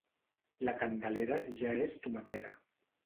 La Candelera ja és tomaquera.